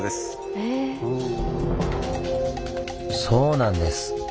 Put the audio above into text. そうなんです。